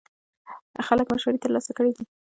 خلک مشورې ترلاسه کړې دي.